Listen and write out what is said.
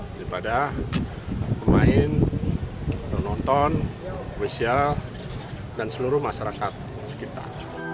daripada pemain penonton spesial dan seluruh masyarakat sekitar